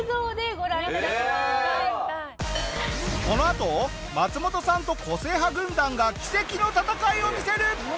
このあとマツモトさんと個性派軍団が奇跡の戦いを見せる！